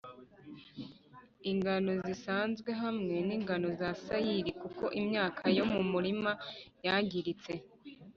ingano zisanzwe hamwe n ingano za sayiri kuko imyaka yo mu murima yangiritse